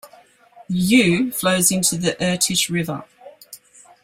The Uy flows into the Irtysh River.